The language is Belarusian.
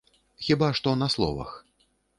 Хіба што на словах.